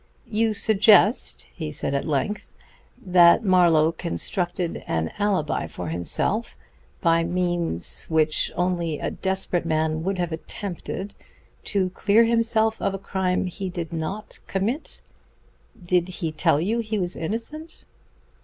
"You suggest," he said at length, "that Marlowe constructed an alibi for himself, by means which only a desperate man would have attempted, to clear himself of a crime he did not commit. Did he tell you he was innocent?"